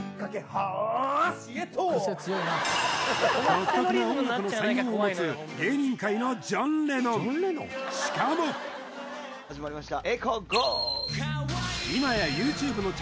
独特な音楽の才能を持つ芸人界のジョン・レノンしかも始まりました